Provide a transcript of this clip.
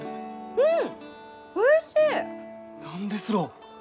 うん。